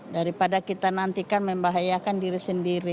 daripada kita nantikan membahayakan diri sendiri